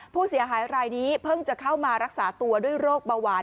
ผู้เสียหายรายนี้เพิ่งจะเข้ามารักษาตัวด้วยโรคเบาหวาน